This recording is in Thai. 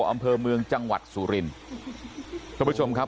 อำเภอเมืองจังหวัดสุรินทร์ท่านผู้ชมครับ